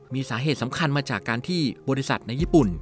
มีสาเหตุสำคัญมาจากการที่บริษัทในญี่ปุ่น